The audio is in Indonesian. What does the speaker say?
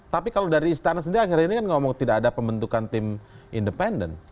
tapi kalau dari istana sendiri akhirnya ini kan ngomong tidak ada pembentukan tim independen